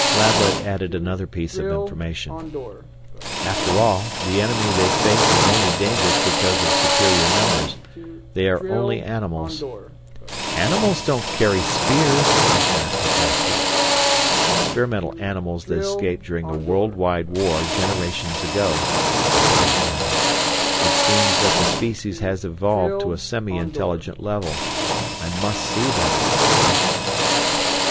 Lablet added another piece of information. "After all, the enemy they face is only dangerous because of superior numbers. They are only animals " "Animals don't carry spears!" Raf protested. "Experimental animals that escaped during a world wide war generations ago," reported the other. "It seems that the species have evolved to a semi intelligent level. I must see them!"